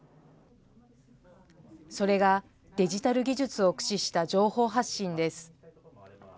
それがデジタル技術を駆使した情報発信です。